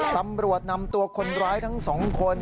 ตำรวจนำตัวคนร้ายทั้งสองคน